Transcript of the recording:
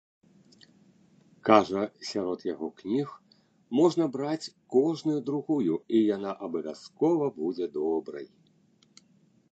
Кажа, сярод яго кніг можна браць кожную другую, і яна абавязкова будзе добрай.